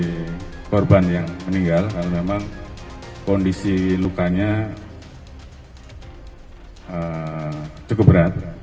dari korban yang meninggal karena memang kondisi lukanya cukup berat